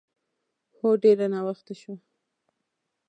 هو، ډېر ناوخته شوه.